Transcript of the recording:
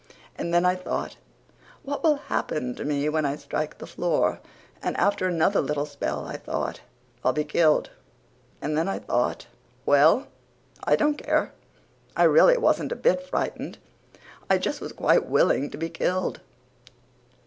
And then I thought, what will happen to me when I strike the floor, and after another little spell I thought, I'll be killed. And then I thought, well, I don't care. I really wasn't a bit frightened. I just was quite willing to be killed.